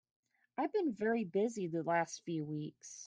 I've been very busy the last few weeks.